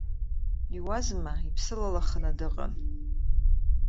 Иуазма, иԥсы лылаханы дыҟан.